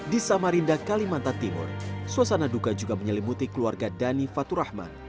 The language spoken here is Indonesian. di samarinda kalimantan timur suasana duga juga menyelimuti keluarga dani faturahman